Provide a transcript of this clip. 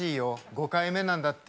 ５回目なんだって。